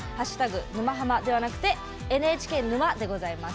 ＃沼ハマではなくて「＃ＮＨＫ沼」でございます。